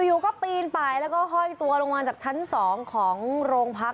อยู่ก็ปีนไปแล้วก็ห้อยตัวลงมาจากชั้น๒ของโรงพัก